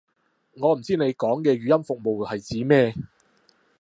我唔知你講嘅語音服務係指咩